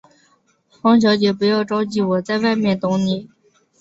方小姐，不着急，我在外面等妳。